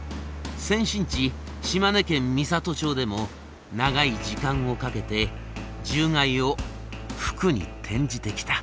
先進地島根県美郷町でも長い時間をかけて獣害を福に転じてきた。